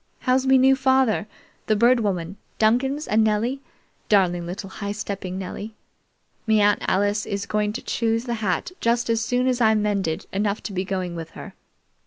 How's me new father, the Bird Woman, Duncans, and Nellie darling little high stepping Nelie? Me Aunt Alice is going to choose the hat just as soon as I'm mended enough to be going with her.